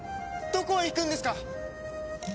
どこへ行くんですか！